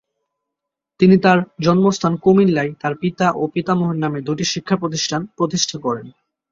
তিনি তার জন্মস্থান কুমিল্লায় তার পিতা ও পিতামহের নামে দুটি দুটি শিক্ষাপ্রতিষ্ঠান প্রতিষ্ঠা করেন।